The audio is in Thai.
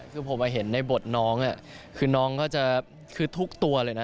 คือผมเห็นในบทน้องคือน้องเขาจะคือทุกตัวเลยนะ